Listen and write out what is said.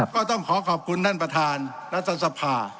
ก็ต้องขอขอบคุณท่านประธานรัฐสภา